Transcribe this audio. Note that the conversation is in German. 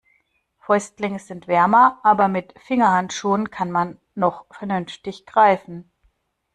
Fäustlinge sind wärmer, aber mit Fingerhandschuhen kann man noch vernünftig greifen.